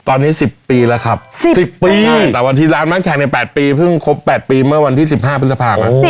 ตอนนี้๑๐ปีแล้วครับ๑๐ปีแต่วันที่ร้านม้างแข่งใน๘ปีเพิ่งครบ๘ปีเมื่อวันที่๑๕พฤษภามา